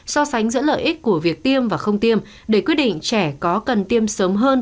so sánh giữa lợi ích của việc tiêm và không tiêm để quyết định trẻ có cần tiêm sớm hơn